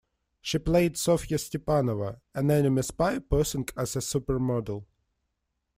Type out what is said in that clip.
She played "Sofia Stepanova", an enemy spy posing as a supermodel.